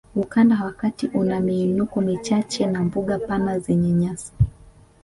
Ukanda wa kati una miinuko michache na mbuga pana zenye nyasi